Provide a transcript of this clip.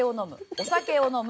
お酒を飲む。